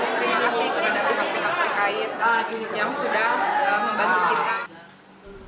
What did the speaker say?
terima kasih kepada pihak pihak terkait yang sudah membantu kita